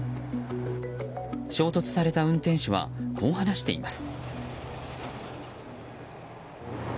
衝突された運転手はこう話しています。